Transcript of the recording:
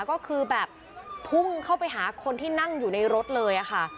ก็คือแบบพุ่งเข้าไปหาคนที่นั่งอยู่ในรถเลยค่ะ